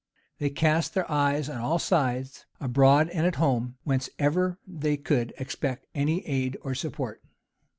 They cast their eyes on all sides, abroad and at home, whence ever they could expect any aid or support.